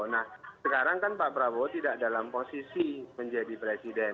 nah sekarang kan pak prabowo tidak dalam posisi menjadi presiden